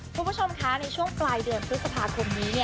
คุณผู้ชมคะในช่วงปลายเดือนพฤษภาคมนี้